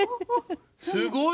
すごいね！